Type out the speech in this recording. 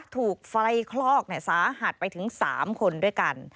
ถูกไฟคลอกสาหัสไปถึง๓คนด้วยกัน